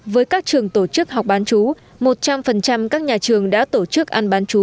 với các trường tổ chức học bán chú một trăm linh các nhà trường đã tổ chức ăn bán chú